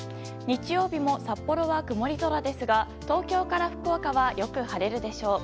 日曜日も、札幌は曇り空ですが東京から福岡はよく晴れるでしょう。